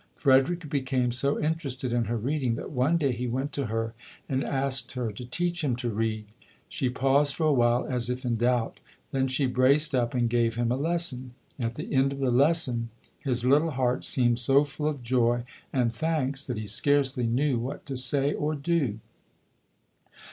Frederick became so in terested in her reading that one day he went to her and asked her to teach him to read. She paused for a while as if in doubt, then she braced up and gave him a lesson. At the end of the lesson his little heart seemed so full of joy and thanks that he scarcely knew what to say or do.